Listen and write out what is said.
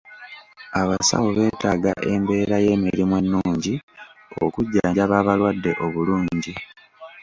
Abasawo beetaaga embeera y'emirimu ennungi okujjanjaba abalwadde obulungi.